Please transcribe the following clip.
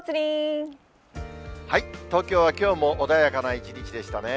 東京はきょうも穏やかな一日でしたね。